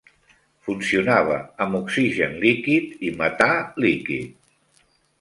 Funcionava amb oxigen líquid i metà líquid.